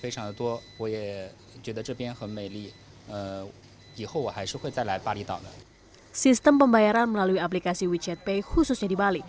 sistem pembayaran melalui aplikasi wechat pay khususnya di bali